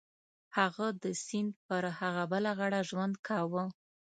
هغه د سیند پر هغه بله غاړه ژوند کاوه.